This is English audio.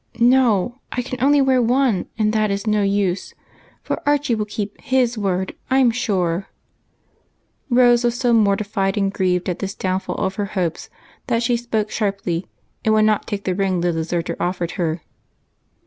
" No, I can only wear one, and that is no use, for Archie will keep his word I 'm sure !" Rose was so mortified and grieved at this downfall of her hopes that she spoke sharply, and would not take the ring the deserter offered her.